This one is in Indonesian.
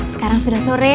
sekarang sudah sore